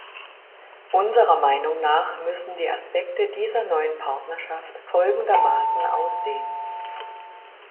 Unserer Meinung nach müssen die Aspekte dieser neuen Partnerschaft folgendermaßen aussehen.